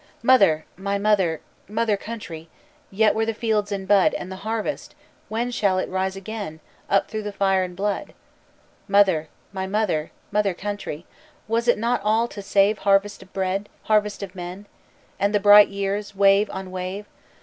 "Mother, my Mother, Mother Country, Yet were the fields in bud. And the harvest, when shall it rise again Up through the fire and flood? "Mother, my Mother, Mother Country, Was it not all to save Harvest of bread? Harvest of men? And the bright years, wave on wave?